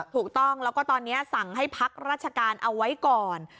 ถูกต้องแล้วก็ตอนนี้สั่งให้พักราชการเอาไว้ก่อน